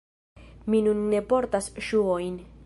Mi nun ne portas ŝuojn